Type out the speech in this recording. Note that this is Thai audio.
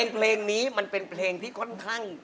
เพลงนี้มันเป็นเพลงที่ค่อนข้าง